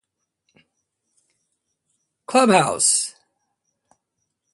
Jerrabomberra is derived from the local Aboriginal place name meaning "Youngsters' Meeting Place".